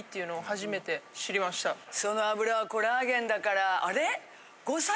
その脂はコラーゲンだからあれ？